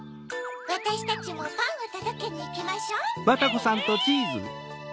わたしたちもパンをとどけにいきましょう。